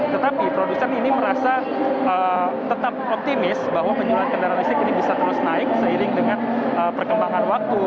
tetapi produsen ini merasa tetap optimis bahwa penjualan kendaraan listrik ini bisa terus naik seiring dengan perkembangan waktu